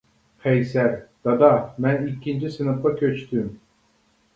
قەيسەر: دادا، مەن ئىككىنچى سىنىپقا كۆچتۈم.